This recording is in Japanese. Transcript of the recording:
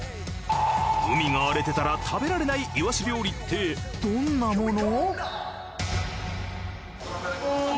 海が荒れてたら食べられないいわし料理ってどんなもの？